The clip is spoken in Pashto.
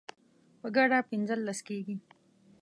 په ګډه پنځلس کیږي